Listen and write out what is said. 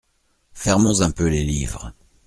Fermons un peu les livres.